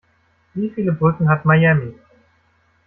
Wie viele Brücken hat Miami?